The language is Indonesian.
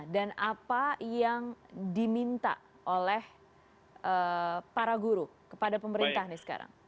dan apa yang diminta oleh para guru kepada pemerintah nih sekarang